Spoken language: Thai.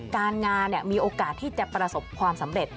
การงานมีโอกาสที่จะประสบความสำเร็จ